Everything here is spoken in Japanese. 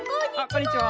こんにちは。